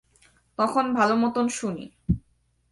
তখন ভালোমতো শুনিনি।